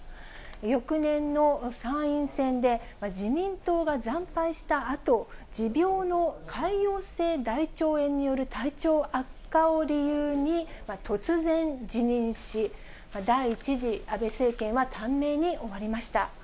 翌年の参院選で自民党が惨敗したあと、持病の潰瘍性大腸炎による体調悪化を理由に、突然辞任し、第１次安倍政権は短命に終わりました。